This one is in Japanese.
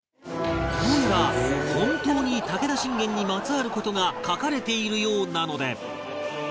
どうやら本当に武田信玄にまつわる事が書かれているようなので